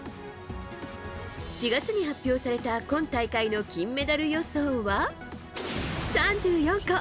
４月に発表された今大会の金メダル予想は３４個。